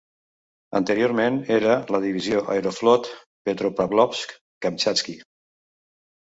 Anteriorment era la divisió Aeroflot Petropavlovsk-Kamchatski.